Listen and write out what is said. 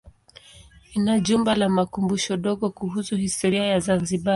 Ina jumba la makumbusho dogo kuhusu historia ya Zanzibar.